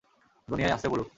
দুনিয়ায় আছড়ে পড়ুক।